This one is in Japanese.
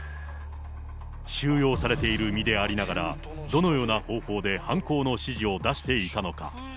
収容されている身でありながら、どのような方法で犯行の指示を出していたのか。